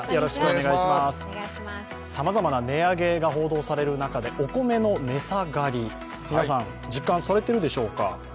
さまざまな値上げが報道される中でお米の値下がり、皆さん実感されているでしょうか。